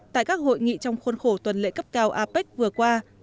tại các hội nghị trong khuôn khổ tuần lễ cấp cao apec vừa qua